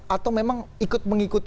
atau memang ikut mengikuti